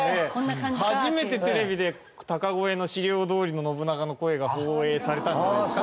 初めてテレビで高声の史料どおりの信長の声が放映されたんじゃないですか？